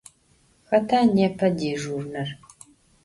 Xeta nêpe dêjjurner?